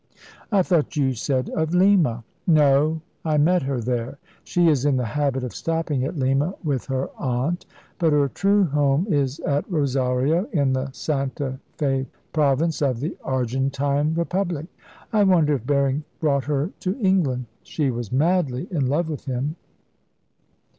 "I thought you said of Lima?" "No; I met her there. She is in the habit of stopping at Lima with her aunt. But her true home is at Rosario, in the Santa Fe province of the Argentine republic. I wonder if Berring brought her to England. She was madly in love with him."